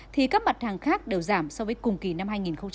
thì các mặt hàng khác đều giảm so với cùng kỳ năm hai nghìn một mươi chín